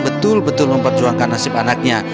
betul betul memperjuangkan nasib anaknya